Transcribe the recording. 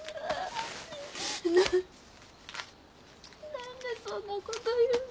何でそんなこと言うの。